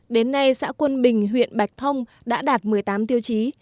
đến nay xã quân bình huyện bạch thông đã đạt một mươi tám tiêu chí